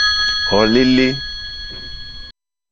Xolele.